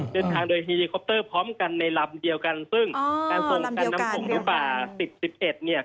เดินทางโดยเฮลิคอปเตอร์พร้อมกันในลำเดียวกันซึ่งการส่งกันน้ำขงหรือป่าสิบสิบเอ็ดเนี่ย